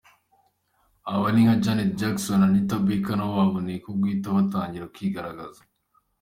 Abo ni nka Janet Jackson na Anita Baker, nabo baboneyeho guhita batangira kwigaragaza.